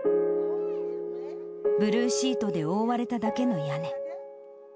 ブルーシートで覆われただけの屋根。